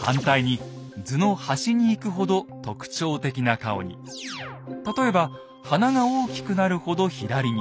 つまり反対に例えば鼻が大きくなるほど左に。